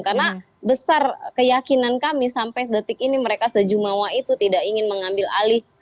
karena besar keyakinan kami sampai detik ini mereka sejumawa itu tidak ingin mengambil alih